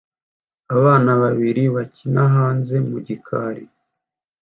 Abana babiri bakina hanze mu gikari